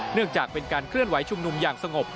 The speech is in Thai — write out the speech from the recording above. เนื่องจากเป็นการเคลื่อนไหวชุมนุมอย่างสงบ